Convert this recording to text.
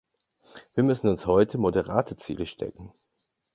Wir müssen uns heute moderate Ziele stecken.